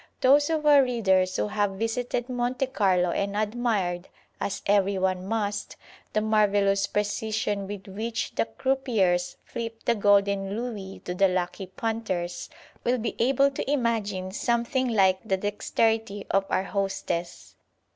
Those of our readers who have visited Monte Carlo and admired, as every one must, the marvellous precision with which the croupiers flip the golden Louis to the lucky "punters," will be able to imagine something like the dexterity of our hostess.